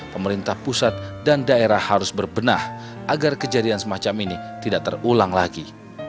pemerintah pusat dan daerah harus berbenah agar kejadian semacam ini tidak terulang lagi